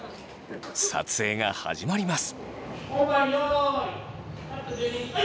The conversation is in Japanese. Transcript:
撮影が始まります。